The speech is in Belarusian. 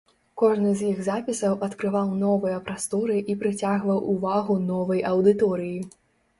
Кожны з іх запісаў адкрываў новыя прасторы і прыцягваў увагу новай аўдыторыі.